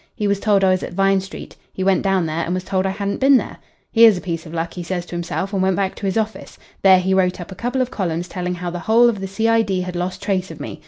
He was told I was at Vine Street. He went down there and was told I hadn't been there. "'Here's a piece of luck,' he says to himself, and went back to his office. There he wrote up a couple of columns telling how the whole of the C.I.D. had lost trace of me.